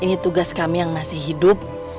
ini tugas kami yang masih hidup